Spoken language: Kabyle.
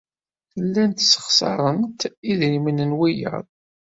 Llant ssexṣarent idrimen n wiyaḍ.